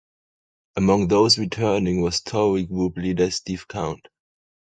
Among those returning was Tory group leader Steve Count.